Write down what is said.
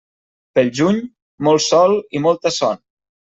Pel juny, molt sol i molta son.